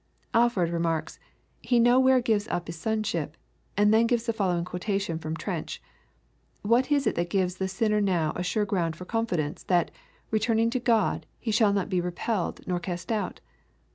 Alford remarks, "he nowhere gives up his sonship,'* and then gives the following quotation from Trench, " What is it that gives the sinner now a sure ground of confidence, that, returning to Grod, he shall not be repelled, nor cast out